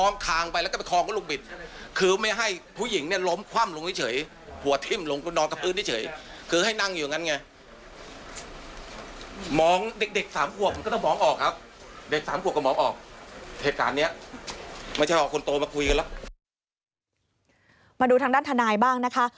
มาดูทางด้านทนายบ้างนะคะ